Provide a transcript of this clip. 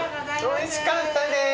おいしかったです。